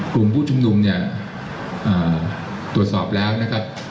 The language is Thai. กลุ่มผู้ชุมนุมเนี่ยตรวจสอบแล้วนะครับ